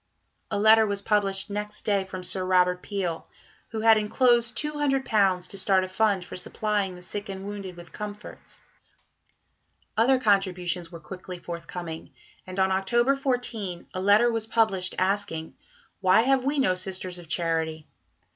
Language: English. A letter was published next day from Sir Robert Peel, who had enclosed £200 to start a fund for supplying the sick and wounded with comforts. Other contributions were quickly forthcoming, and on October 14 a letter was published asking: "Why have we no Sisters of Charity?